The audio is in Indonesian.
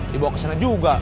dibawa ke sana juga